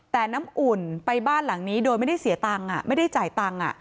แต่น้ำอุ่นไปบ้านหลังนี้โดยไม่ได้เสียตังค์ไม่ได้จ่ายตังค์